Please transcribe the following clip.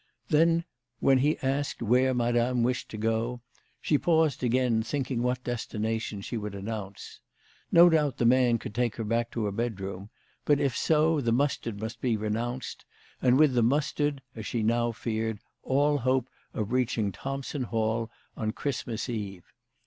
Then when he asked where Madame wished to go, she paused, again thinking what destination she would announce. No doubt the man could take her back to her bedroom, but if so, the mustard must be renounced, and with the mustard, as she now feared, all hope of reaching Thompson Hall on Christmas Eve.